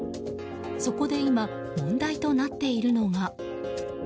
そこで今問題となっているのが。